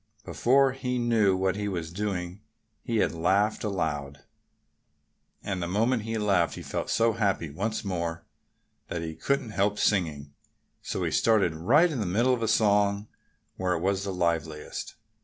Before he knew what he was doing he had laughed aloud. And the moment he laughed he felt so happy once more that he couldn't help singing. So he started right in the middle of a song, where it was the liveliest.